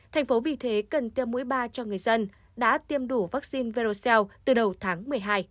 tp hcm cần tiêm mũi ba cho người dân đã tiêm đủ vaccine verocell từ đầu tháng một mươi hai